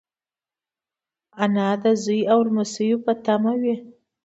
انا د زوی او لمسيو په تمه وي